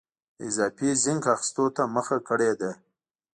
د اضافي زېنک اخیستو ته مخه کړې ده.